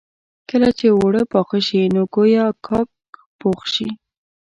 کله چې اوړه پاخه شي نو ګويا کاک پوخ شي.